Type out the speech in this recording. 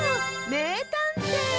めいたんてい！